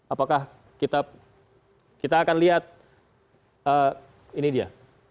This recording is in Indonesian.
apakah kita akan lihat ini dia